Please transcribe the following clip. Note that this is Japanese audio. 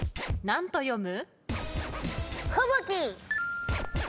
何と読む？